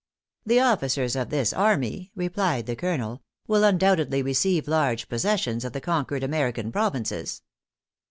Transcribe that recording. "The officers of this army," replied the Colonel, "will undoubtedly receive large possessions of the conquered American provinces."